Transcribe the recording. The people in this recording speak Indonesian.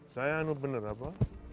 saya anu benar apa